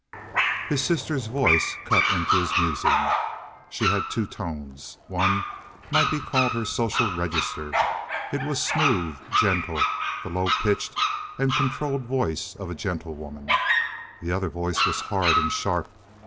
His sister's voice cut into his musing. She had two tones. One might be called her social register. It was smooth, gentle the low pitched and controlled voice of a gentlewoman. The other voice was hard and sharp.